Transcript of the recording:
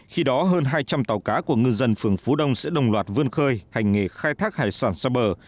khi đó hơn hai trăm linh tàu cá của ngư dân phường phú đông sẽ đồng loạt vươn khơi hành nghề khai thác hải sản xa bờ